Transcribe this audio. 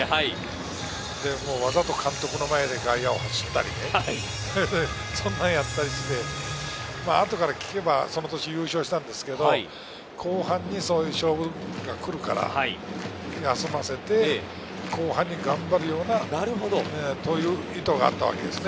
わざと監督の前で外野を走ったりとか、そんなことをやったりして、後から聞けば、その年、優勝したんですけれど、後半に勝負が来るから休ませて、後半に頑張るような、そういう意図があったわけですよ。